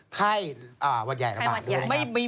ไข้อ่าวัดใหญ่ระบบด้วย